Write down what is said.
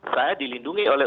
saya dilindungi oleh